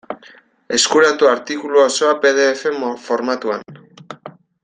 Eskuratu artikulu osoa pe de efe formatuan.